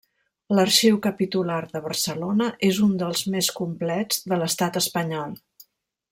L'arxiu capitular de Barcelona és un dels més complets de l'estat espanyol.